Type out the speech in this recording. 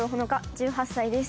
１８歳です